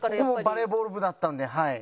僕もバレーボール部だったんで。